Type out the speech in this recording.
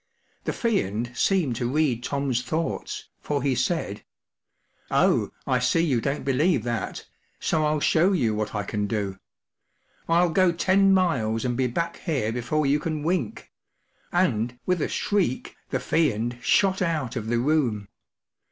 The Fiend seemed to read Tom’s thoughts, for he said :— 4i Oh, I see you don't believe that, so I’ll show you what I can do. I'll go ten miles and lie back here before you can wink,” and, with a shriek, the Fiend shot out of the room.